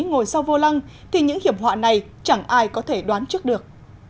ngồi sau vô lăng thì những hiểm họa này chẳng ai có thể đoán trước được